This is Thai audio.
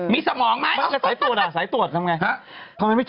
มีสมองไหม